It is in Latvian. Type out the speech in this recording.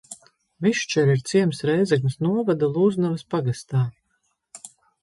Višķeri ir ciems Rēzeknes novada Lūznavas pagastā.